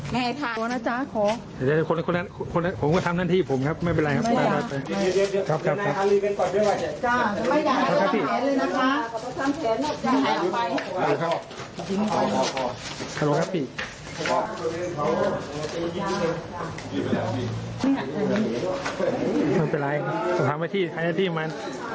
มันเป็นไรผมประมาณที่ตายหน้าที่มัน